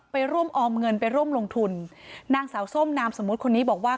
ไปร่วมออมเงินไปร่วมลงทุนนางสาวส้มนามสมมุติคนนี้บอกว่า